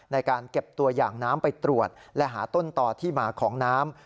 ในการเก็บตัวอย่างน้ำไปตรวจและหาต้นต่อที่มาของน้ำ